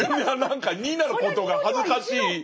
何か２になることが恥ずかしい。